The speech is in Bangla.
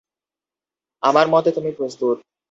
আমার মতে তুমি প্রস্তুত।